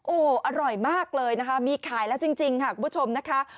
โอ้โหอร่อยมากเลยนะคะมีขายแล้วจริงค่ะคุณผู้ชมนะคะ